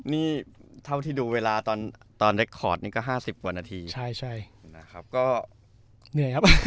นี่เท่าที่ดูเวลาตอนตอนนี่ก็ห้าสิบกว่านาทีใช่ใช่นะครับก็เหนื่อยครับ